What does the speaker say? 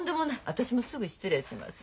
私もすぐ失礼します。